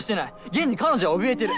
現に彼女はおびえてる。